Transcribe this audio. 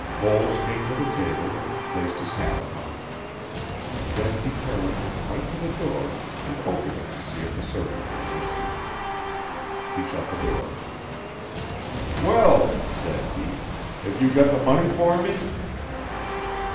Voles came to the table and placed his hat upon it. Then he turned, went to the door and opened it to see if the servant was listening. He shut the door. "Well," said he, "have you got the money for me?"